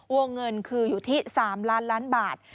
วงเงินคืออยู่ที่๓ล้านล้านบาท